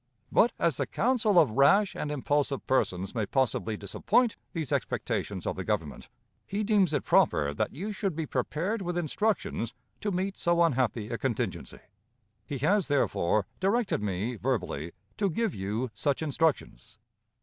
But, as the counsel of rash and impulsive persons may possibly disappoint these expectations of the Government, he deems it proper that you should be prepared with instructions to meet so unhappy a contingency. He has, therefore, directed me, verbally, to give you such instructions.